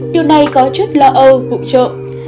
điều này có chút lo âu bụng trộn